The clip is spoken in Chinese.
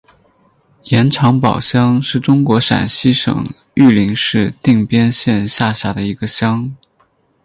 盐场堡乡是中国陕西省榆林市定边县下辖的一个乡。